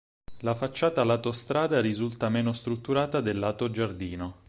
La facciata lato strada risulta meno strutturata del lato giardino.